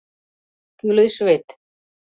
«Кӱлеш вет...